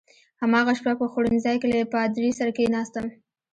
هماغه شپه په خوړنځای کې له پادري سره کېناستم.